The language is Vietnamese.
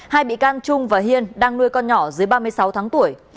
hai bị can trung và hiên đang nuôi con nhỏ dưới ba mươi sáu tháng tuổi